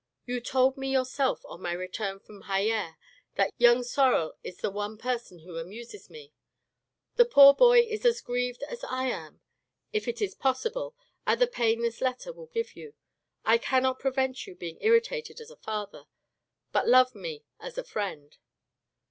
You told me yourself on my return from Hyeres, ' that young Sorel is the one person who amuses me,' the poor boy is as grieved as I am if it is possible, at the pain this letter will give you. I cannot prevent you being irritated as a father, but love me as a friend.